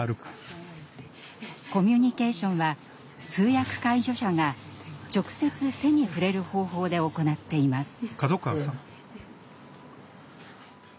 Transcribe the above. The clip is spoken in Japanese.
コミュニケーションは通訳・介助者が直接、手に触れる方法で行っています。